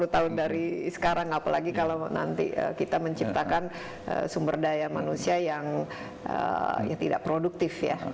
lima belas dua puluh tahun dari sekarang apalagi kalau nanti kita menciptakan sumber daya manusia yang tidak produktif ya